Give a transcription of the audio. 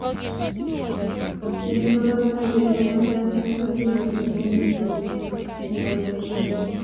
Ne kibo komonut eng komosoe ko kyay eng kaniset ne bo boisie.